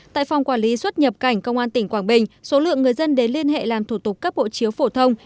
tại phòng quản lý xuất nhập cảnh công an tỉnh quảng bình số lượng người dân đến liên hệ làm thủ tục cấp hộ chiếu phổ thông